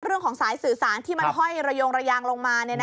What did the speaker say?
เรื่องของสายสื่อสารที่มันห้อยระยงระยางลงมา